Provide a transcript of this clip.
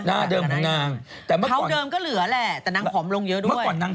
น่าเดิมของนาง